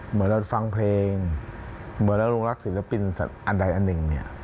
เหมือนเราฟังเพลงเหมือนเราลงรักศิลปินสัตว์อันใดอันหนึ่งเนี่ย